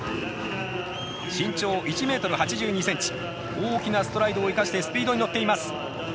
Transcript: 大きなストライドを生かしてスピードに乗っています。